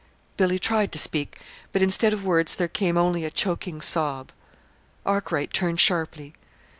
Billy tried to speak, but instead of words, there came only a choking sob. Arkwright turned sharply.